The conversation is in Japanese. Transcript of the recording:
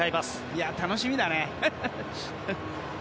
いやあ、楽しみだね。